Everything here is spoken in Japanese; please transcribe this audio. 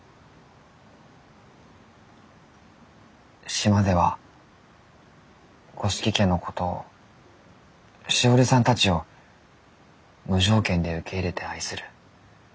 島では五色家のことをしおりさんたちを無条件で受け入れて愛する。